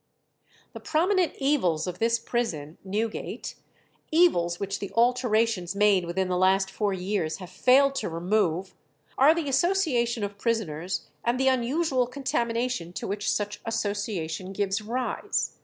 "The prominent evils of this prison (Newgate) evils which the alterations made within the last four years have failed to remove are the association of prisoners, and the unusual contamination to which such association gives rise.